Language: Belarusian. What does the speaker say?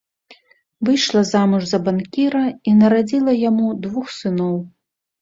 Выйшла замуж за банкіра і нарадзіла яму двух сыноў.